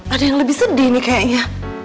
ada yang lebih sedih nih kayaknya